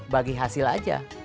bagi hasil aja